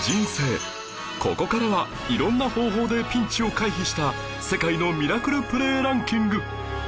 ここからはいろんな方法でピンチを回避した世界のミラクルプレーランキング